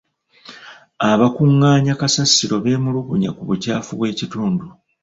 Abakungaanya kasasiro beemulugunya ku bukyafu bw'ekitundu.